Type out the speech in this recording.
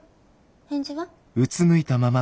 返事は？